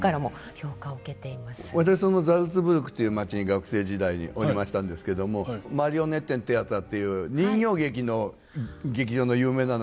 そのザルツブルクという町に学生時代におりましたんですけどもマリオネットシアターっていう人形劇の劇場の有名なのがあるんですよね。